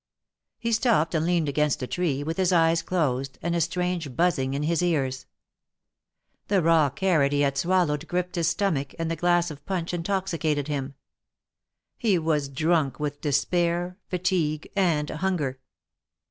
He stopped and leaned against a tree, with his eyes closed, and a strange buzzing in his ears. The raw carrot he had swallowed griped his stomach, and the glass of punch intoxicated him. He was drunk with despair, fatigue and hunger.